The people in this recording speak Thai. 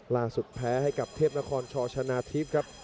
ล่าสุดแพ้ให้กับเทพนครชชนะทีฟครับ